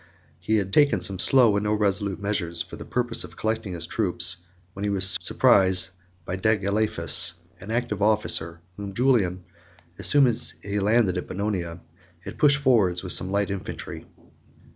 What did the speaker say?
He had taken some slow and irresolute measures for the purpose of collecting his troops, when he was surprised by Dagalaiphus, an active officer, whom Julian, as soon as he landed at Bononia, had pushed forwards with some light infantry.